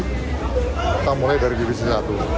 kita mulai dari divisi satu